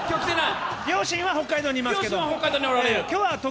両親は北海道にいますけど。